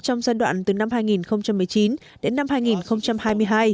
trong giai đoạn từ năm hai nghìn một mươi chín đến năm hai nghìn hai mươi hai